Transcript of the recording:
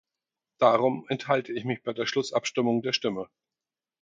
Darum enthalte ich mich bei der Schlussabstimmung der Stimme.